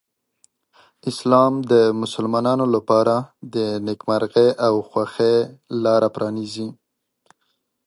اسلام د مسلمانانو لپاره د نېکمرغۍ او خوښۍ لاره پرانیزي.